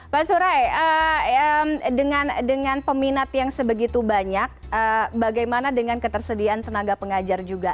pak surai dengan peminat yang sebegitu banyak bagaimana dengan ketersediaan tenaga pengajar juga